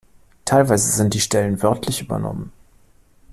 Teilweise sind die Stellen wörtlich übernommen.